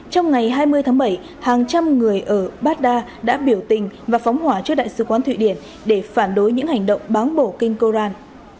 trong ngày hai mươi tháng bảy hàng trăm người ở baghdad đã biểu tình và phóng hỏa trước đại sứ quán thụy điển để phản đối những hành động bán bổ kinh koran